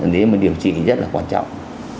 để mà điều trị rất là quan trọng